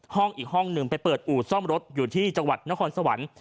ห้องอีกห้องหนึ่งไปเปิดอู่ซ่อมรถอยู่ที่จังหวัดนครสวรรค์